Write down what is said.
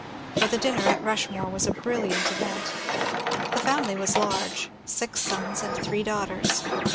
For the din ner at Rushmore was a brilliant event. The family was large — six sons and three daughters.